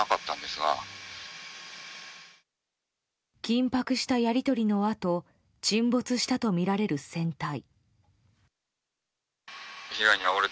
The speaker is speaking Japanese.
緊迫したやり取りのあと沈没したとみられる船体。